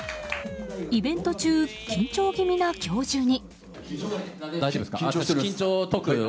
イベント中、緊張気味な教授に。